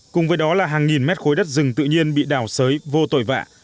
cùng với đó là hàng nghìn mét khối đất rừng tự nhiên bị đào sới vô tội vạ